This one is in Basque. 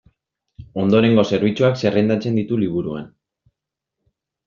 Ondorengo zerbitzuak zerrendatzen ditu liburuan.